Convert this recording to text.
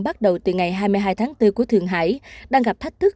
bắt đầu từ ngày hai mươi hai tháng bốn của thượng hải đang gặp thách thức